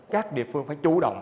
các địa phương phải chú động